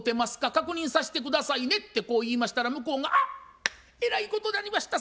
確認させて下さいね」ってこう言いましたら向こうが「あっえらいことなりました。